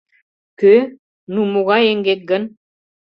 Кӧ?... ну, могай эҥгек гын?»